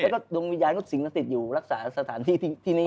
แล้วก็ดวงวิญญาณก็สิงค์นาศิษย์อยู่รักษาสถานที่นี่ไว้